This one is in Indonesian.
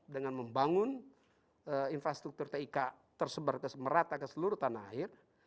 dengan membangun infrastruktur tik tersebar merata ke seluruh tanah air